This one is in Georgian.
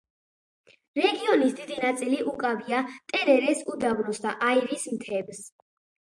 რეგიონის დიდი ნაწილი უკავია ტენერეს უდაბნოს და აირის მთებს.